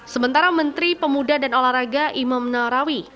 sementara menteri pemuda dan olahraga imam narawi